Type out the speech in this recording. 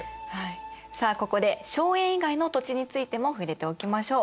さあここで荘園以外の土地についても触れておきましょう。